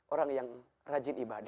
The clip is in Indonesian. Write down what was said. orang yang rajin ibadah